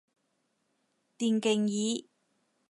電競椅